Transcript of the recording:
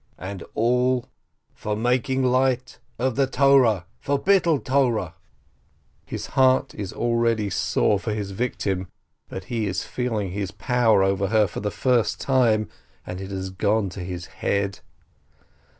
And all four for making light of the Torah ! For Bittul Torah !" His heart is already sore for his victim, but he is feeling his power over her for the first time, and it has gone to his head.